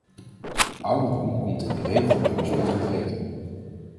Ouderdom komt in de regel immers met gebreken.